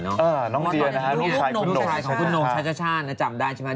น้องเดียลูกชายของคุณโน่ชาชช่าจำได้ใช่ไหม